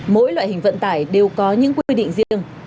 mỗi loại hình vận tải đều có những quy định riêng